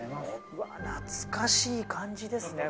うわっ懐かしい感じですね